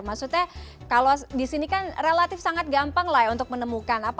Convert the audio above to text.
maksudnya kalau di sini kan relatif sangat gampang lah ya untuk menemukan